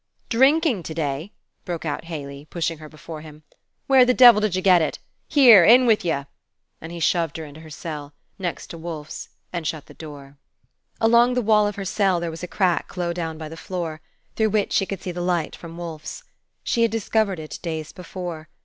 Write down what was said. "Drinkin' to day?" broke out Haley, pushing her before him. "Where the Devil did you get it? Here, in with ye!" and he shoved her into her cell, next to Wolfe's, and shut the door. Along the wall of her cell there was a crack low down by the floor, through which she could see the light from Wolfe's. She had discovered it days before.